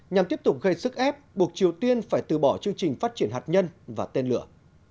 nhằm tiếp tục gây sức ép buộc triều tiên phải từ bỏ chương trình phát triển hạt nhân và tên lửa